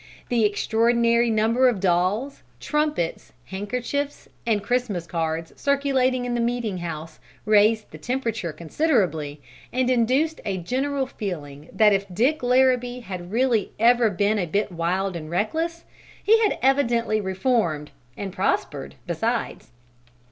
The extraordinary number of dolls, trumpets, handkerchiefs, and Christmas cards circulating in the meeting house raised the temperature considerably, and induced a general feeling that if Dick Larrabee had really ever been a bit wild and reckless, he had evidently reformed, and prospered, besides.